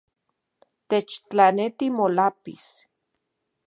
Techtlaneti molápiz